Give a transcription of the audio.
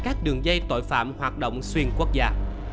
các đường dây tội phạm hoạt động xuyên quốc gia